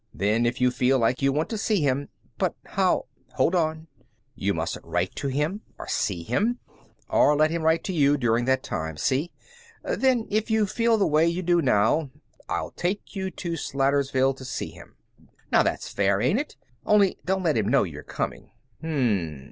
Then if you feel like you want to see him " "But how " "Hold on. You mustn't write to him, or see him, or let him write to you during that time, see? Then, if you feel the way you do now, I'll take you to Slatersville to see him. Now that's fair, ain't it? Only don't let him know you're coming."